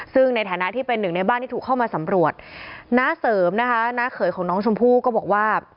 ซึ่งในฐานะที่เป็นหนึ่งในบ้านที่ถูกเข้ามาสำรวจน้าเสริมนะคะน้าเขยของน้องชมพู่ก็บอกว่า